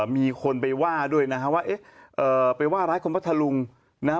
มีคนไปว่าด้วยนะฮะว่าเอ๊ะไปว่าร้ายคนพัทธลุงนะฮะ